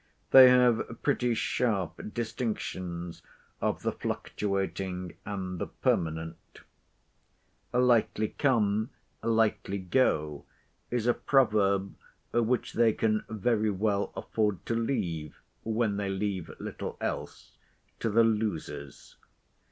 They have pretty sharp distinctions of the fluctuating and the permanent. "Lightly come, lightly go," is a proverb, which they can very well afford to leave, when they leave little else, to the losers.